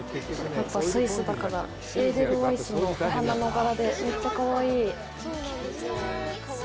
やっぱ、スイスだから、エーデルワイスのお花の柄で、めっちゃかわいい。